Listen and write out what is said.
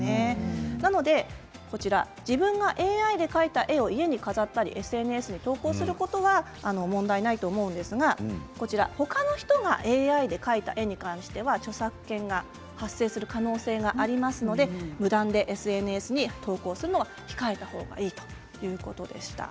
なので自分がＡＩで描いた絵を家に飾ったりＳＮＳに投稿することは問題ないと思うんですが他の人がＡＩで描いた絵に関しては著作権が発生する可能性がありますので無断でＳＮＳに投稿するのは控えた方がいいということでした。